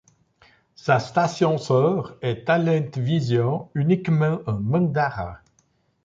Sa station-sœur est Talentvision, uniquement en mandarin.